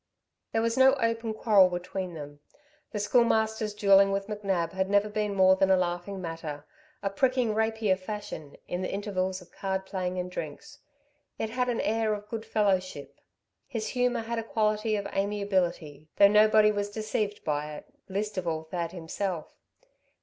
There was no open quarrel between them. The Schoolmaster's duelling with McNab had never been more than a laughing matter, a pricking, rapier fashion, in the intervals of card playing and drinks. It had an air of good fellowship. His humour had a quality of amiability, though nobody was deceived by it, least of all Thad himself.